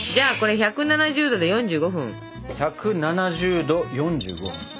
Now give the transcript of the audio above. １７０℃４５分！